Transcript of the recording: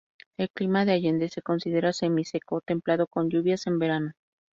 El clima de Allende se considera semi seco templado con lluvias en verano.